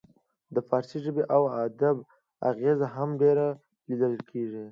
د فارسي ژبې او ادب اغیزه هم ډیره لیدل کیږي